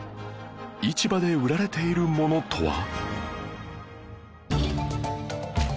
市場で売られているものとは？